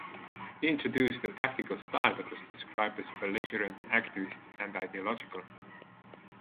He introduced a tactical style that was described as belligerent, activist, and ideological.